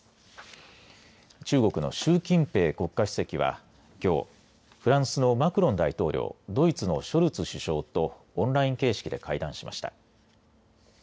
中国の習近平国家主席はきょうフランスのマクロン大統領ドイツのショルツ首相とオンライン形式で会談しました。